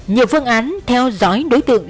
nhiều phương án theo dõi đối tượng